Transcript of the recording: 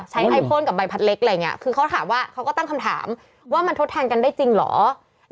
ไอโพนกับใบพัดเล็กอะไรอย่างนี้คือเขาถามว่าเขาก็ตั้งคำถามว่ามันทดแทนกันได้จริงเหรอ